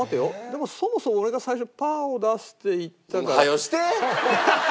でもそもそも俺が最初パーを出すって言ったから。